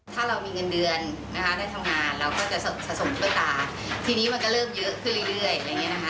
ถ้าเรามีเงินเดือนนะคะได้ทำงานเราก็จะสะสมถ้วยตาทีนี้มันก็เริ่มเยอะขึ้นเรื่อยอะไรอย่างนี้นะคะ